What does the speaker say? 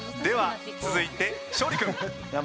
では続いて勝利君。